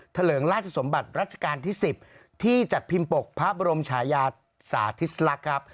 เลิงราชสมบัติรัชกาลที่๑๐ที่จัดพิมพ์ปกพระบรมชายาสาธิสลักษณ์ครับ